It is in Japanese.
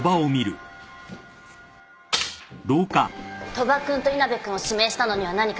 鳥羽君と稲辺君を指名したのには何か理由が？